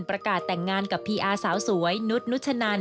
ประกาศแต่งงานกับพี่อาสาวสวยนุฏนุษยนต์